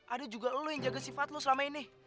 ada juga lu yang jaga sifat lo selama ini